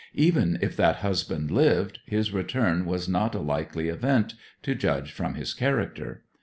Even if that husband lived, his return was not a likely event, to judge from his character.